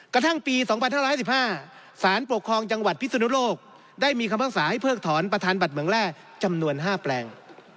กระทั่งปี๒๕๑๕สารปกครองจังหวัดพิศนุโลกได้มีคำภาษาให้เพิกถอนประธานบัตรเมืองแร่จำนวน๕แปลง